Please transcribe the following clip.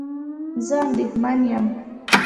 زه اندېښمن یم